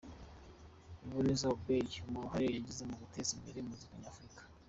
Ebenezer Obey, kubw’uruhare yagize mu guteza imbere muzika nyafurika.